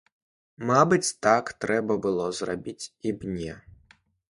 Мабыць, так трэба было зрабіць і мне.